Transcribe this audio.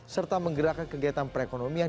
serta menggerakkan kegiatan perekonomian